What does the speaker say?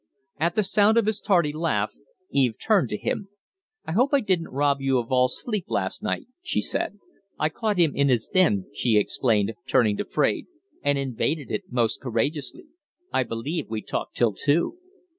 At the sound of his tardy laugh Eve turned to him. "I hope I didn't rob you of all sleep last night," she said. "I caught him in his den," she explained, turning to Fraide, "and invaded it most courageously. I believe we talked till two."